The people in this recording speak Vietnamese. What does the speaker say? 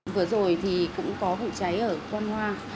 vừa rồi thì cũng có hủ cháy ở con hoa